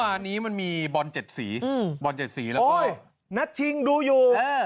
วันนี้มันมีบอลเจ็ดสีอืมบอลเจ็ดสีแล้วก็นัดชิงดูอยู่เออ